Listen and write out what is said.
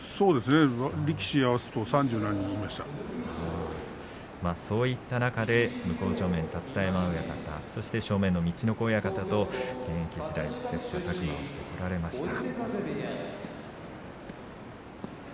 力士合わせるとそういった中で向正面、立田山親方そして正面の陸奥親方と現役時代切さたく磨してこられました。